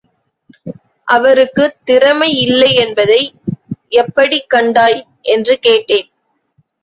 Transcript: அவருக்குத் திறமை இல்லை என்பதை எப்படிக் கண்டாய்? என்று கேட்டேன்.